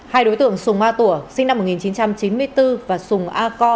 hai đối tượng sùng a tủa sinh năm một nghìn chín trăm chín mươi bốn và sùng a co